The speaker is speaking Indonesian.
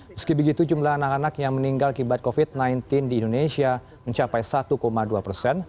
meski begitu jumlah anak anak yang meninggal akibat covid sembilan belas di indonesia mencapai satu dua persen